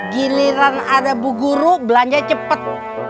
giliran ada bu guru belanja cepat